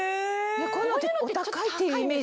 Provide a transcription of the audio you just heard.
こういうのってお高いっていうイメージが。